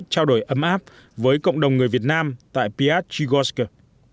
trao đổi ấm áp với cộng đồng người việt nam tại piatchi goroshka